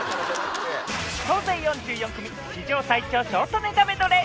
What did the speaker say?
総勢４４組、史上最長ショートネタメドレー。